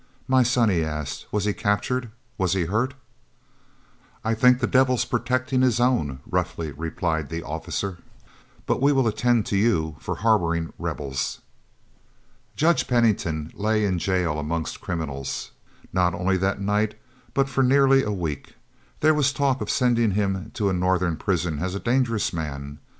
"My son," he asked, "was he captured? was he hurt?" "I think the devil protected his own," roughly replied the officer, "but we will attend to you for harboring Rebels." Judge Pennington lay in jail among criminals, not only that night, but for nearly a week. There was talk of sending him to a Northern prison as a dangerous man.